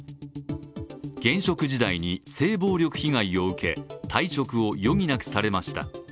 現職時代に性暴力被害を受け退職を余儀なくされました。